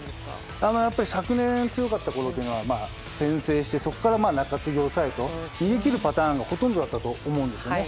昨年、強かったころは先制して、そこから中継ぎ抑えと逃げ切るパターンがほとんどだったと思うんですね。